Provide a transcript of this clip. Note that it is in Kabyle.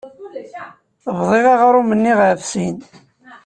Bḍiɣ aɣrum-nni ɣef sin.